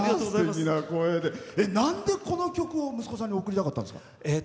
なんで、この曲を息子さんに贈りたかったんですか？